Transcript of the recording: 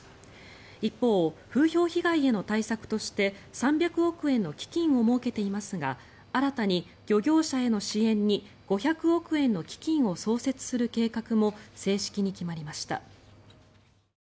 一方、風評被害への対策として３００億円の基金を設けていますが新たに漁業者への支援に５００億円の基金を創設する計画も正式に決まりました。